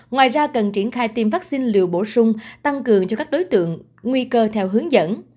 ngoài ra cần triển khai tiêm vaccine liều bổ sung tăng cường cho các đối tượng nguy cơ theo hướng dẫn